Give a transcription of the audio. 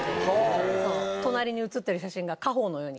隣に写ってる写真が家宝のように。